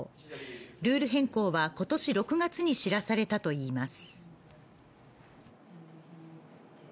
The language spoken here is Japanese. ルール変更は今年６月に知らされたといいます。